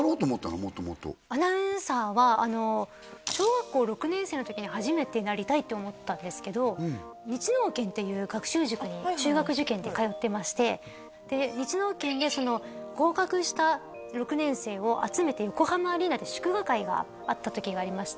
元々アナウンサーは小学校６年生の時に初めてなりたいって思ったんですけど日能研っていう学習塾に中学受験で通ってましてで日能研で合格した６年生を集めて横浜アリーナで祝賀会があった時がありまして